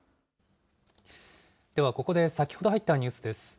では、ここで先ほど入ったニュースです。